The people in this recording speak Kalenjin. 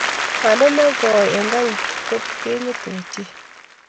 Bandoo ne koi eng garit kot keng'etei ochei.